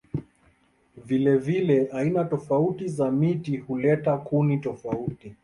Vilevile aina tofauti za miti huleta kuni tofauti.